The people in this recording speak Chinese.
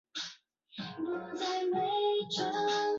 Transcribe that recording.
负责的政府机构为国土交通省。